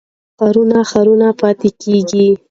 ښارونه روښانه پاتې کېږي.